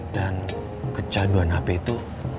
dan kecanduan hp itu